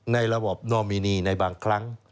ในระบบนอมินีในบางครั้ง